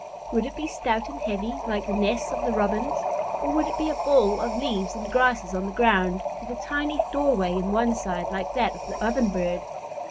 Would it be stout and heavy like the nests of the Robins? Or would it be a ball of leaves and grasses on the ground, with a tiny doorway in one side, like that of the Ovenbird?